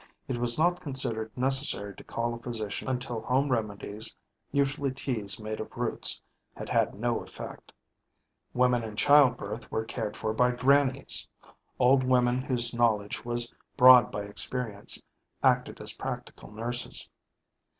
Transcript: It was not considered necessary to call a physician until home remedies usually teas made of roots had had no effect. Women in childbirth were cared for by grannies, Old women whose knowledge was broad by experience, acted as practical nurses.